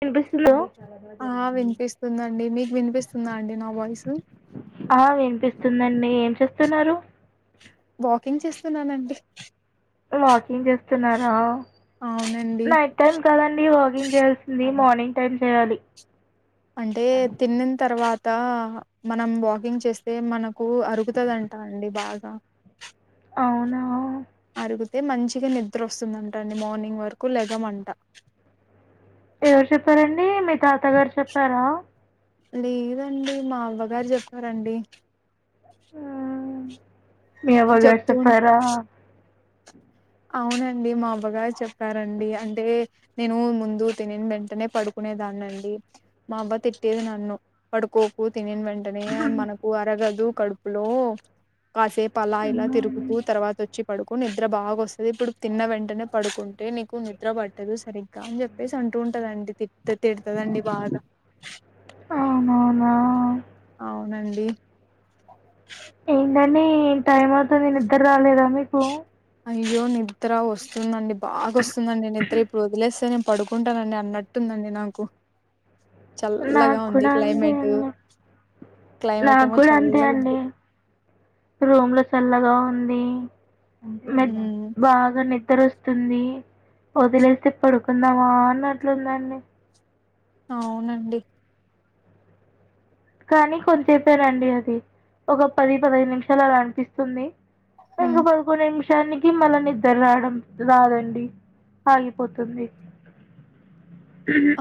వినిపిస్తుందా ఆ వినిపిస్తుందండి మీకు వినిపిస్తుందా అండి నా వాయిస్ ఆ వినిపిస్తుందండి ఏం చేస్తున్నారు వాకింగ్ చేస్తున్నానండి వాకింగ్ చేస్తున్నారా అవునండి నైట్ టైం కదండి వాకింగ్ చేయాల్సింది మార్నింగ్ టైం చేయాలి అంటే తిన్నన్ తర్వాత్ తా మనం వాకింగ్ చేస్తే మనకు అరుగుతుదంటా అండి బాగా అవునా తిర్గుతే మంచిగ నిద్ర వస్తుంధంటండి మార్నింగ్ వరకు లెగం అంటా ఎవరు చెప్పారండి మీ తాత గారు చెప్పారా లేదండి మా అవ్వగారు జెప్పారండి ఆ మీ అ అవ్వ గారు చెప్తూ ఉన్ చెప్పారా అవునండి మా అవ్వగారు చెప్పారండీ అంటే నేను ముందు తినిన్ వెంటనే పడుకు కునే దాన్నండి మా అవ్వ తిట్టేది నన్ను పడుకోకు త్ తినిన్ వెంటనే మనకు అరగదు కడుపులో కాసేపలా ఇలా మ్మ్. తిరుగుతూ తర్వాత వచ్చి పడుకో నిద్ర బాగ ఒస్ అదె ఇప్పుడు తిన్న వెంటనే పడుకుంటే నీకు నిద్ర పట్టదు సరిగ్గా అని చెప్పేసి అంటూ ఉంటదండి తిర్ తిడతదండి బాగా అవునవునా అవునండి ఏంటండి టైం అవుతుంది నిద్ర రాలేదా మీకు అయ్యో నిద్ర వస్తుందండి బాగొస్తుందండి నిద్ర ఇప్పుడు వదిలేస్తే నెన్ పడుకుంటానండి అన్నట్టుందండి నాకు చల్లగా నాకు ఉంది కూడా అంతే క్లైమేట్ అండి క్లైమేట్ ఏమో నాగ్గుడ అంతే చల్లగా ఉంది అండి రూమ్ లో చల్లగా ఉన్ ది నిద్ ఉమ్ బాగ నిద్ ద్దరోస్తుంది వదిలేస్తే పడుకుందామా అన్నట్లుందండి అవునండి కానీ కొంచేపెనండి అది ఒక పది పదహైదు నిమిషాలు అలా అనిపిస్తుంది ఉమ్ ఇంగ పడుకోలేండి చలికి మళ్ళ నిద్దర్ రావడం రాదండి ఆగిపోతుంది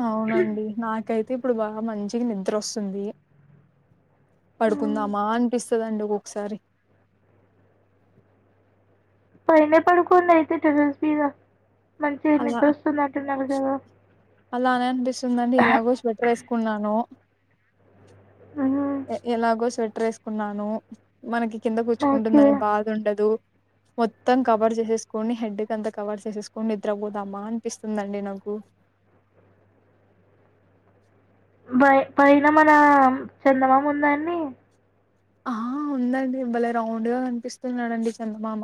అవునండి నాకైతే ఇప్పుడు బా మంచిగా నిద్రోస్తుంది ఉమ్, పడుకుందామా అనిపిస్తదండి ఒకోక్కసారి పైనే పడుకోండి అయితే టెర్రస్ మీద మంచిగా అలా నిద్రొస్తోందంటున్నావ్ కదా అలానే అనిపిస్తుందిండి ఎలాగో స్వెట్టర్ ఏసుకున్నాను ఉమ్, ఎ ఎలాగో స్వెట్టర్ ఏసుకున్నాను మనకి కింద ఓకే గుచ్చుకుంటుందని బాధ ఉండదు మొత్తం కవర్ చేసేసుకోని హెడ్ కంత కవర్ చేసేసుకోని నిద్ ద్ర పోదామా అనిపిస్తుందండి నాకు బై పైన మన చందమాముందాన్డి ఆ ఉందండి భలే రౌండ్ గా కనిపిస్తున్నారండి చందమామ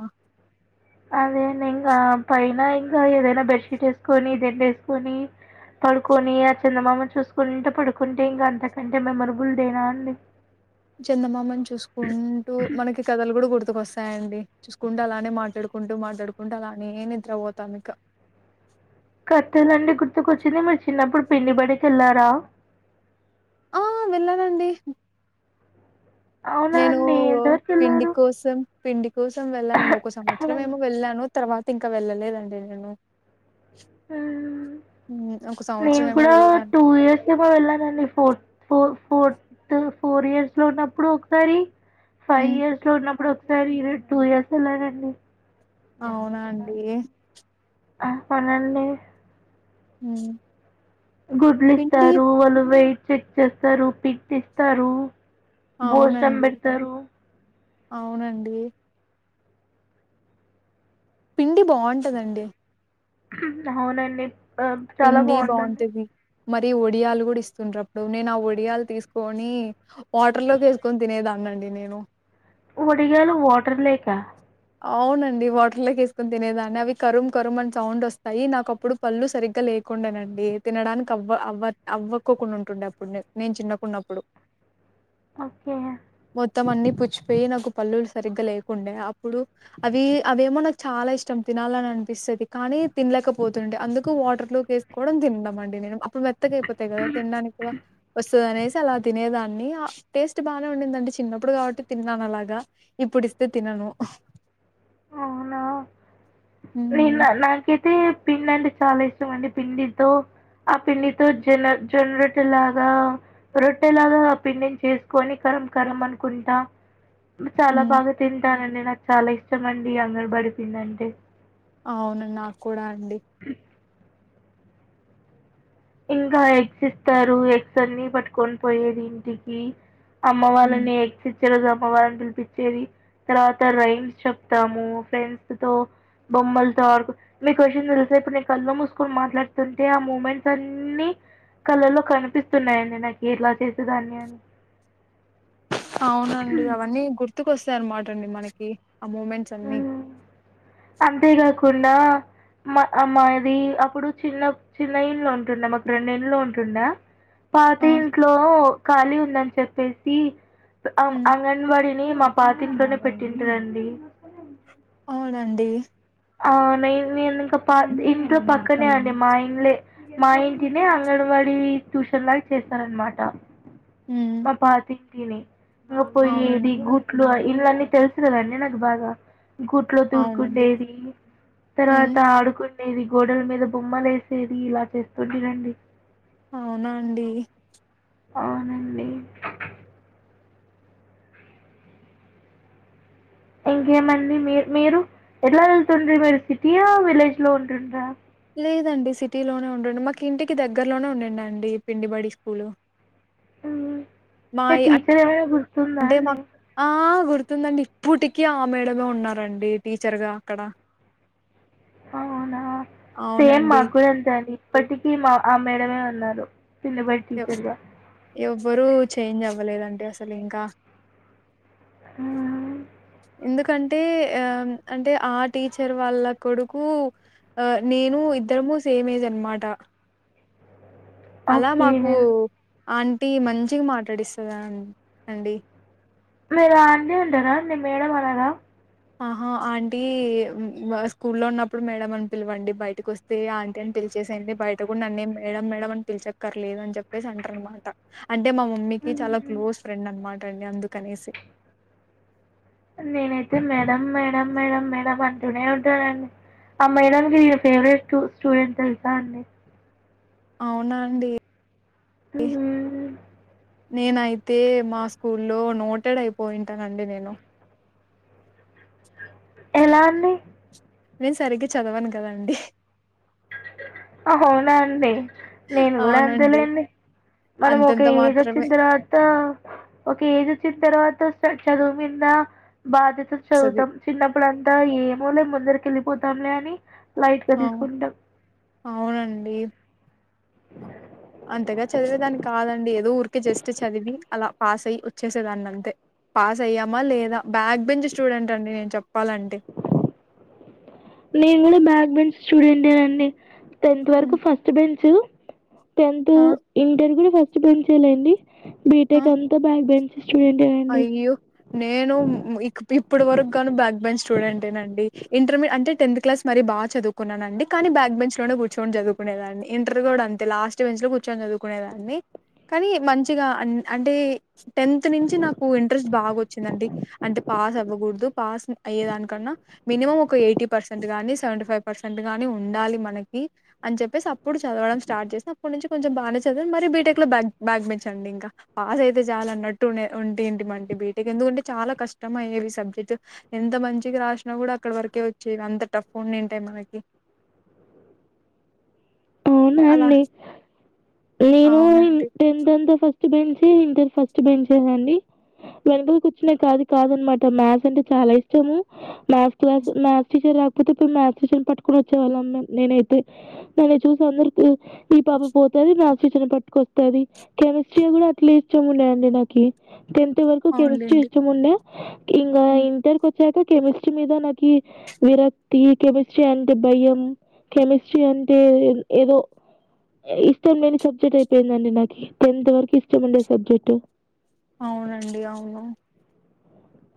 అదేండి ఇంకా పైన ఇంకా ఏదైనా బెడ్షీట్ వేసుకొని దిండు వేసుకొని పడుకొని ఆ చందమామని చూసుకుంటూ పడుకుంటే ఇంకా అంతకంటే మెమొరబుల్ డే అండి చందమామని చూసుకుంటూ మనకి కథలు కూడా గుడుతు గుర్తుకు వస్తాయండి చూసుకుంటూ అలానే మాట్లాడుకుంటూ మాట్లాడుకుంటూ అలానే నిద్ర పోతాను ఇక [unintelligible] కథలంటే గుర్తుకొచ్చింది మీరు చిన్నప్పుడు పిండి బడికి వెళ్ళారా వెళ్లానండి అవునా నేను అండి ఎంతవరకు పిండి వెళ్ళారు కోసం పిండి కోసం వెళ్ళానండి ఒక సంవత్సరం ఏమో వెళ్ళాను తర్వాత ఇంకా వెళ్ళలేదండి నేను ఆహా హ్మ్. ఒక నేను సంవత్సరం ఏమో కూడా వెళ్ళాను టూ ఇయర్స్ ఏమో వెళ్ళానండి four four four four years లో ఉన్నప్పుడు ఒకసారి ఫైవ్ హ్మ్. ఇయర్స్ లో ఉన్నప్పుడు సారి టుఇయర్స్ వెళ్లానండి అవునా అండి ఆ అవునండి ఉ గుడ్లు ఇస్తారు వాళ్ళు వెయిట్ చెక్ చేస్తారు కిట్ ఇస్తారు, భోజనం అవునండి పెడతారు అవునండి పిండి బాగుంటందండి, అవునండి చాలా పిండి బాగుందండి, బాగుంటది మరి ఒడియాలు కూడా ఇస్తుంటారుప్పుడు నేను ఆ వడియాలు తీసుకొని వాటర్ లోకి వేసుకొని తినేదాన్ని తినేనండి నేను వడియలు వాటర్ లోక అవునండి వాటర్లోకేసుకోని తినేదాన్ని అవి కరుం కరుం అని సౌండ్ వస్తాయి నాకు అప్పుడు పళ్ళలు సరిగ్గా లే తయకుండేనండి తినడానికి అవ్వ అవ్వ అవ్వక్కకుండా ఉంటుండే అప్పుడు నేను చిన్నకున్నప్పుడు ఓకే మొత్తం అన్నీ పుచ్చిపోయి నాకు పళ్లులు సరిగ్గా లేకుండే అప్పుడు అవి అవేమో నాకు చాలా ఇష్టం తినాలని అనిపిస్తుది కానీ తినలేకపోతుండే అందుకు వాటర్లో కూడా తిండం అండి నేను అప్పుడు మెత్తగా అయిపోతాయి కదా తినడానికి కూడా వ అనేసి అలా తినేదాన్ని టేస్ట్ బాగానే ఉందండి చిన్నప్పుడు కాబట్టి తిన్నాాను అలాగా ఇప్పుడు తిన్నాను అవునా నేను హ్మ్ నాకైతే పిండి అంటే చాలా ఇష్టం అండి పిండితో ఆ పిండితో జొన్న జొన్నరొటెలాగా రొట్టెలాగా ఆ పిండిని చేసుకొని కరం కరం అనుకుంటా చాలా హ్మ్ బాగా తింటానండి నాకు చాలా ఇష్టండి అంగన్వాడీ పిండి అంటే అవును నాకు కూడా అండి ఇంకా ఎగ్స్ ఇస్తారు ఎగ్స్ అన్ని పట్టుకొని పోయేది ఇంటికి అమ్మ ఉమ్ వాళ్ళని ఎక్సీ జలాగా అమ్మవారిని పిలిపించేది తర్వాత రైండ్స్ చెప్తాము ఫ్రెండ్స్ తో బొమ్మలతో ఆడు నీకు ఓ విషయం తెలుసా కళ్ల్లో మూసుకొని మాట్లాడుతుంటే ఆ మూమెంట్ అన్నిీ కళల్లో కనిపిస్తున్నాయండి నాకు ఇలా చేసేదాన్ని అని అవునండి అవన్నీ గుర్తుకు వస్తాయ అన్నమాట అండి మనకి ఆ మూమెంట్స్ అన్నిీ అంతేకాకుండా మా మా ఇది అప్పుడు చిన్న చిన్న ఇండ్లు ఉంటుండ మాకు రెండు ఇళ్లు ఉంటుండా పాత ఆ ఇంట్లో ఖాళీ ఉందని చెప్పేసి ఉమ్ అంగన్వాడిని మా పాతింట్లోనే పెట్టింటారండి. అవునండి అవునా నే నేను మా ఇంటి పక్కనే అండి మా ఇల్లే మా ఇంటినే అంగన్వాడికి అది ట్యూషన్ లాగా చేసారన్న మాట. ఉమ్ మా పాతి ఇంటినీ మా పోయిది అవునండి గుడ్లు ఇళ్లన్నీ తెలుసుగదండి నాకు బాగా గూట్లో అవునండి తూడుకుండేది ఉమ్ తర్వాత ఆడుకునే ఇది గోడల మీద బొమ్మలు వేసేది ఇలా చేసుకొని తినండి. అవునా అండి అవునండి ఇంకేమండి మీ మీరు ఎట్లా వెళ్తుంటిరి మీరు సిటీయా విలేజ్ లో ఉంటుంటి రా లేదండి సిటీలోనే ఉండండి మాకు ఇంటికి దగ్గరలోనే ఉండడి అండి పిండిబడి స్కూలు మ్ మా ఇ- టీచర్ ఎవరో గుర్తుందా అంటే మా అండి. ఆ గుర్తుందండి ఇప్పటికీ ఆ మేడమే ఉన్నారండి టీచర్గా అక్కడ. అవునా సేమ్ అవునండి మాగ్గుడా అంతే అండి ఇప్పటికీ మా ఆ మేడమే ఉన్నారు. నిన్న పాయ్ టీచర్ గా ఎవ్వరు చేంజ్ అవ్వలేదండి అసలు ఇంకా మ్ ఎందుకంటే ఆ అంటే ఆ టీచర్ వాళ్ళ కొడుకు ఆ నేను ఇద్దరముూ సేమ్ ఏజ్ అన్నమాట అలా మాకు ఓకే. ఆంటీ మంచిగా మాట్లాడిస్తుంది అండి మీరు అంటారా మేడం అనరా ఆహా! ఆంటీ స్కూల్లో ఉన్నప్పుడు మేడం అని పిలవండి, బయటకొస్తే ఆంటీ అని పిలవండి. టీచర్స్ అయితే బయట కూడా నన్నేం మేడం మేడం అని పిలిచక్కర్లేదు అని చెప్పేసి అంటారు అన్నమాట. అంటే మా మమ్మీకి చాలా క్లోజ్ ఫ్రెండ్ అన్నమాట అండి అందుకనేసి. నేనైతే మేడం మేడం మేడం మేడం అంటూనే ఉంటానండి ఆ మేడానికి నేనే ఫేవరెట్ స్టూడెంట్ తెలుసా అండి. అవునా అండి మ్ నేనైతే మా స్కూల్లో నోటెడ్ అయిపోయుంటానండి నేను. ఎలా అండి? నేను సరిగ్గా చదవను కదండి. అవునా అండి, నేను కూడా అవునండి. అంతేలేండి. మనం ఒక అంతంత ఏజ్ వచ్చిన మాత్రమే తర్వాత ఒక ఏజ్ వచ్చిన తర్వాత చదువు మీద బాధ్యత తో వస్తది. చదువుతాం చిన్నప్పుడుంతా ఏం మామూలే ముందరికి వెళ్ళిపోతాంలే అని లైట్ గా అవు తీసుకుంటాం అవునండి అ [inaudible] అంతగా చదివేదాన్ని కాదండి ఏదో ఊరికే జస్ట్ చదివి అలా పాస్ అయి వచ్చేసేదాన్ని అంతే. పాస్ అయ్యామా లేదా బ్యాక్ బెంచ్ స్టూడెంట్ అండి నేను చెప్పాలంటే. నేను కూడా బ్యాక్ బెంచ్ స్టుడెంటేనండి టెన్త్ వరకు హ్మ్. ఫస్ట్ బెంచ్ టెన్త్ ఆ ఇంటర్ కూడా ఫస్ట్ బెంచ్ ఎ లేండి ఆ బీటెక్ అంతా బ్యాక్ బెంచ్ స్టూడెంటేనండి అయ్యో నేను ఇ ఇప్పుడు వరకు గాను బ్యాక్ బెంచ్ స్టూడెంటేనండి ఇంటర్మీడి అంటే టెన్త్ క్లాస్ మరీ బా చదువుకున్నానండి కానీ బ్యాక్ బెంచ్ లో కూర్ కూర్చొని చదువుకునే దాన్ని ఇంటర్ కూడా అంతే లాస్ట్ బెంచ్ లో కూర్చొని చదువుకునేదాన్ని. కానీ మంచిగా అంటే టెన్త్ నుంచి నాకు ఇంట్రెస్ట్ బాగా వచ్చిందండి అంటే పాస్ అవ్వకూడదు పాస్ అయ్యే దానికన్నా మినిమం ఒక ఎయిట్ టీ పర్సెంట్ గాని సెవెీ ఫైవ్ పర్సెంట్గాని ఉండాలి మనకి అని చెప్పేసి అప్పుడు చదవడం స్టార్ట్ చేస్ ప్పటి నుంచి కొంచెం బాగానే చదివం మరి బీటెక్ లో బగ్ బ్యాక్ బెంచ్ అండి ఇంకా పాస్ అయితే చాలన్నట్టు ఉనే ఉం ఏంటి మంటే బీటెక్ ఎందుకంటే చాలా కష్టం అయ్యేవి సబ్జెక్ట్ ఎంత మంచికి రాసినా కూడా అక్కడి వర్కే వి అంత టఫ్ ఉండింటాయి మనకి హామ్ అవునా అలా అండి నేను అవునండి టెన్త్ అంతా ఫస్ట్ ఫస్ట్ బెంచే ఇంటర్ ఫస్ట్ బెంచేనండి వెనకల కూర్చునే కాదు కాదనమాట మ్యాథ్ అంటే చాలా ఇష్టము మ్యాథస్ క్లాస్ మ్యాథ్స్ టీచర్ లేకపోతేడు మ్యా్స్ టీచర్ పట్టుకుని వచ్చే వాళ్ళమ్ నేనైతే నన్న చూ అందరు ఈ పాప పోతది మాథ్స్ టీచర్ ని పట్టుకొస్తది కెమిస్ట్రీ కూడా అట్లా ఇష్టం ఉండే అం నకి టెన్త్ వరకు కెమిస్ట్రీ అవునులేండి ఇష్టముండే ఇంగ ఇంటర్ కొ చ్చాక కెమిస్ట్రీ మీద నాకి విరక్తి కెమిస్ట్రీ అంటే భయం కెమిస్ట్రీ అ టే ఏదో ఇష్టం లేని సబ్జెక్ట్ అయిపోయిందండి నాకు టెన్త్ వరకు ఇష్టం ఉండే సబ్జెక్టు అవునండి అవును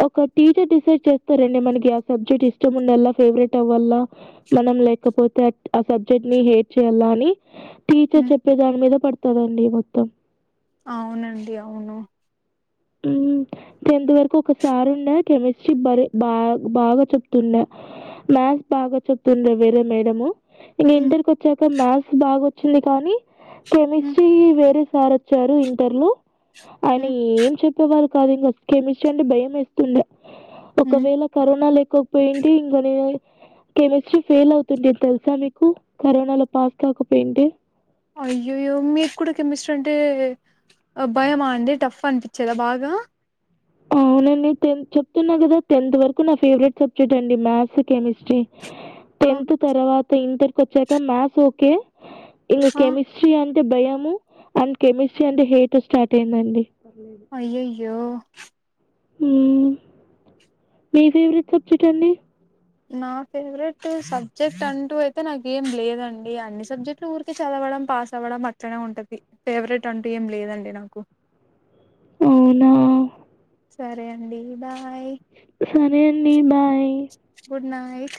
ఒక టీచర్ డిసైడ్ చేస్తారండి మనకి ఆ సబ్జెక్ట్ ఇష్టం ఉండాలా ఫేవరెట్ అవ్వాల మన లేకపోతే ఆ సబ్జెక్ట్ ని హేట్ చేయాల్ల అని టీచర్ హ్మ్. చెప్పే దాని మీద పడతారండి మొత్తం అవునండి అవును మ్మ్ టెన్త్ వరకు ఒకసార్ ఉండే కెమిస్ట్రీ బరి బా బాగా చెప్తుందె మ్యాస్ బాగా చెప్తుండె వెరే మేడము ఇగ ఇంటర్కి వచ్చాక మ్యాథ్స్ బాగా వచ్చింది కానీ కెమిస్ట్రీ వేరే సార్ వచ్చారు ఇంటర్లో ఆయన ఎం ేవ కాదు ఇంగ కెమిస్ట్రీ అంటే భయం వేస్తుండే ఒకవేళ కరోనా లే కపోయింటే ఇంగ నిన్ కెమిస్ట్రీ ఫెయిల్ అయితుండే తెలుసా మీకు కరోనా లో పాస్ కాకపోఇంటే అయ్యయ్యో మీకు కూడా కెమిస్ట్రీ అంటే భయమా అండి టఫ్ అనిపించేదా బాగా అవునండి టెన్ చెప్తున్నా కదా టెన్త్ వరకు నా ఫేవరెట్ సబ్జెక్ట్ అండి మ్యాథ్స్ కెమిస్ట్రీ ఆ! టెన్త్ తర్వాత ఇంటర్కి వచ్చాక మ్యాథస్ ఓకే ఇంగ ఆ! కెమిస్ట్రీ అంటే భయము అండ్ కెమిస్ట్రీ అంటే హేట్ స్టార్ట్ అయిందండి లేదు య్యే మ్ మీ ఫేవరెట్ సబ్జెక్ట్ అండి నా ఫేవరెట్ సబ్జెక్ట్ అంటూ అయితే నాకేం లేదండి అన్ని సబ్జెక్ట్లు ఊరికే చదవ వడం పాస్ అవ్వడం అట్లనే ఉంటది ఫేవరెట్ అంటూ ఏం లేదండి నాకు అవునా సరే అండి బా సరే అండి bye good night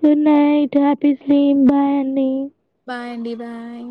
good night office లో ఏం బాగా లేదు బాయ్ అండి బాయ్